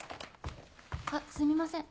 ・あっすみません。